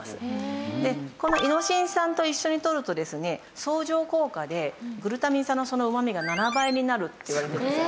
このイノシン酸と一緒にとると相乗効果でグルタミン酸のその旨味が７倍になるって言われてます。